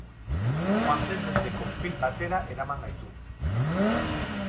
Joan den mendeko film batera eraman gaitu.